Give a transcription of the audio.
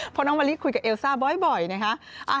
เพราะน้องมะลิคุยกับเอลซ่าบ่อยนะคะ